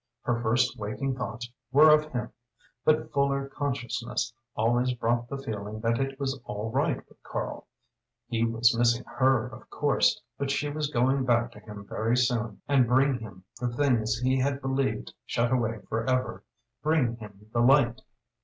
Her first waking thoughts were of him, but fuller consciousness always brought the feeling that it was all right with Karl; he was missing her, of course, but she was going back to him very soon and bring him the things he had believed shut away forever; bring him the light!